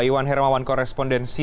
iwan hermawan koresponden cnn indonesia